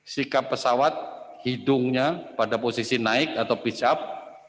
sikap pesawat hidungnya pada posisi naik atau pitch up